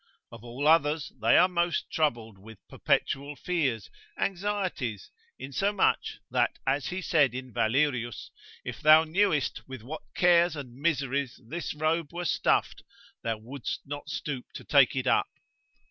Of all others they are most troubled with perpetual fears, anxieties, insomuch, that as he said in Valerius, if thou knewest with what cares and miseries this robe were stuffed, thou wouldst not stoop to take it up.